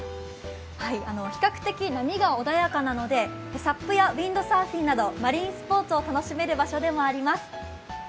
比較的波が穏やかなので、サップやウィンドサーフィンなどマリンスポーツを楽しめる場所でもあります。